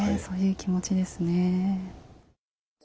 そういう気持ちですね。